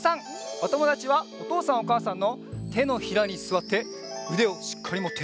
おともだちはおとうさんおかあさんのてのひらにすわってうでをしっかりもって。